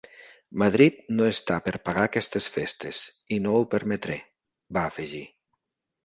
“Madrid no està per pagar aquestes festes i no ho permetré”, va afegir.